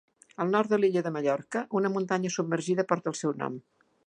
Al nord de l'illa de Mallorca una muntanya submergida porta el seu nom.